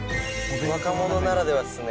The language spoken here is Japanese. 若者ならではですね。